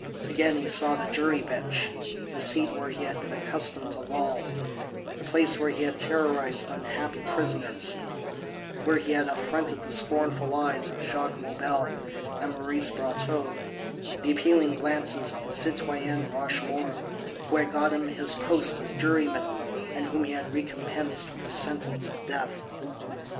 Again he saw the jury bench, the seat where he had been accustomed to loll, the place where he had terrorized unhappy prisoners, where he had affronted the scornful eyes of Jacques Maubel and Maurice Brotteaux, the appealing glances of the citoyenne Rochemaure, who had got him his post as juryman and whom he had recompensed with a sentence of death.